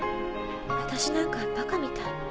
私なんかバカみたい。